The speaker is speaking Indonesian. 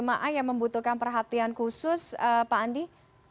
atau ada yang membutuhkan perhatian khusus pak andi